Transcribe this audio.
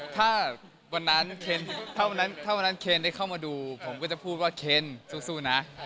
ถ้าวันนั้นถ้าวันนั้นเคนได้เข้ามาดูผมก็จะพูดว่าเคนสู้นะ